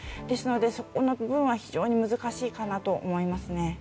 ですので、そこの部分は非常に難しいと思いますね。